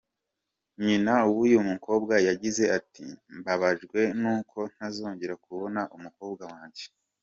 Nyina w’uyu mukobwa yagize ati” mbabajwe n’uko ntazongera kubona umukobwa wanjye”.